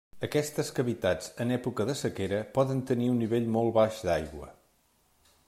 Aquestes cavitats, en època de sequera, poden tenir un nivell molt baix d'aigua.